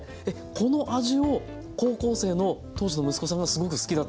この味を高校生の当時の息子さんがすごく好きだったと。